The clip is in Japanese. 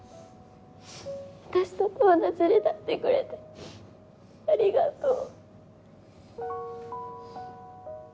私と友達になってくれてありがとう。